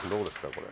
これ。